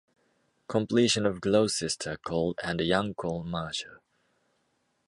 Completion of Gloucester coal and Yancoal merger.